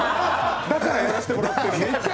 だからやらしてもらってるんです。